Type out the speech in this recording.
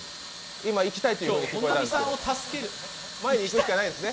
今日、本並さんを助ける前に行くしかないですね。